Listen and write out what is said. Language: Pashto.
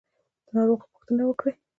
ناروغه پوښتنه وکړئ